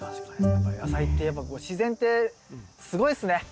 やっぱ野菜ってやっぱ自然ってすごいっすね！